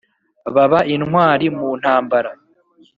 baba intwari mu ntambara